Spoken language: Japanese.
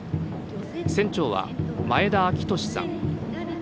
船長は前田明俊さん。